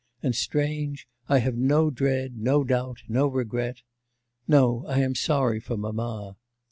and strange I have no dread, no doubt, no regret.... No, I am sorry for mamma.